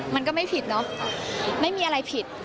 มันก็ไม่ผิดเนอะไม่มีอะไรผิด